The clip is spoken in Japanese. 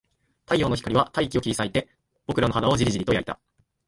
太陽の光は大気を切り裂いて、僕らの肌をじりじりと焼いた